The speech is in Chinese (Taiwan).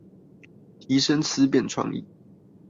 提升思辨創意